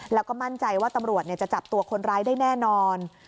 แล้วก็มั่นใจว่าตำรวจจะจับตัวคนร้ายได้แน่นอน